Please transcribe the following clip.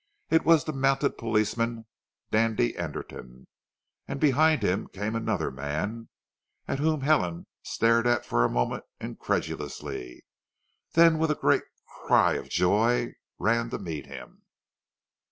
It was the mounted policeman, Dandy Anderton, and behind him came another man at whom Helen stared for a moment incredulously, then with a great cry of joy ran to meet him.